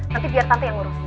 nanti biar tante yang ngurus